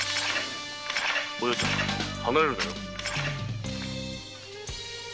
お葉ちゃん離れるなよ。